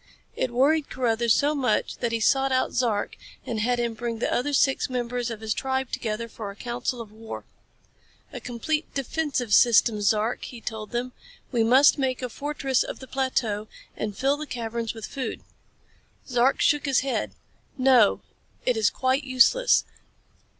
It worried Carruthers so much that he sought out Zark and had him bring the other six members of his tribe together for a council of war. "A complete defensive system, Zark," he told them. "We must make a fortress of the plateau and fill the caverns with food." Zark shook his head. "No. It is quite useless.